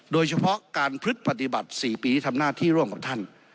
โดยเฉพาะการพฤติปฏิบัติ๔ปีที่ทำหน้าที่ร่วมกับท่าน